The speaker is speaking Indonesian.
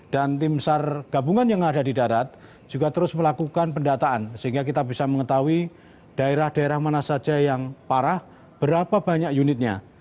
dan tim besar gabungan yang ada di darat juga terus melakukan pendataan sehingga kita bisa mengetahui daerah daerah mana saja yang parah berapa banyak unitnya